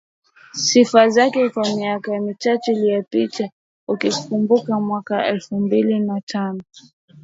sifa zake kwa miaka mitatu iliyopita ukikumbuka mwaka elfu mbili na tano